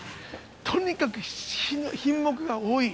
とにかく品目が多い。